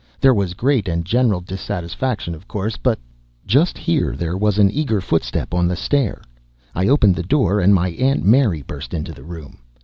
There was great and general dissatisfaction, of course, but " Just here there was an eager footstep on the stair; I opened the door, and my aunt Mary burst into the room.